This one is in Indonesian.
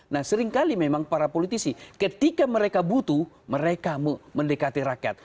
nah seringkali memang para politisi ketika mereka butuh mereka mendekati rakyat